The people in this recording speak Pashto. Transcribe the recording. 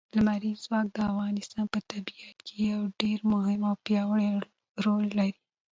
لمریز ځواک د افغانستان په طبیعت کې یو ډېر مهم او پیاوړی رول لري.